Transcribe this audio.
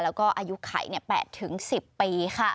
แล้วก็อายุไข่๘ถึง๑๐ปีค่ะ